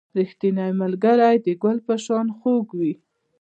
• ریښتینی ملګری د ګل په شان خوږ وي.